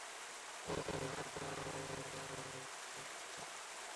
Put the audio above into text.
实现零复制的软件通常依靠基于直接记忆体存取的内存映射。